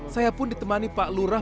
saya pun ditemani pak lurah